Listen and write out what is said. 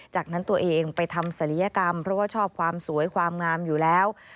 จากนั้นตัวเองไปทำศัลยกรรมเพราะว่าชอบความสวยความงามอยู่แล้ว